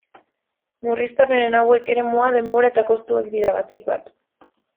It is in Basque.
Murriztapen hauek eremua, denbora eta kostua dira, batik bat.